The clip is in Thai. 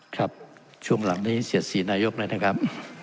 ครับช่วงหลังนี้เสียดสีนายกแล้วนะครับ